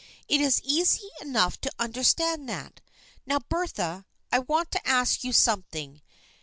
It is easy enough to understand that. Now Bertha, I want to ask you something.